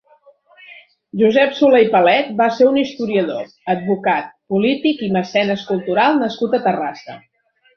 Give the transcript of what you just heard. Josep Soler i Palet va ser un historiador, advocat, polític i mecenes cultural nascut a Terrassa.